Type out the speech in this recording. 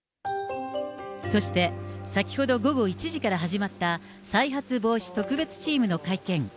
そして先ほど午後１時から始まった、再発防止特別チームの会見。